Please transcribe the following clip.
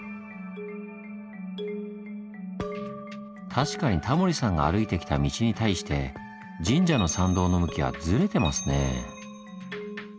確かにタモリさんが歩いてきた道に対して神社の参道の向きはずれてますねぇ。